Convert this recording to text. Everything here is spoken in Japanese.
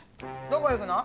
どこ行くの？